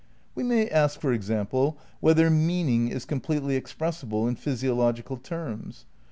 We may ask, for example, whether meaning is com pletely expressible in physiological terms?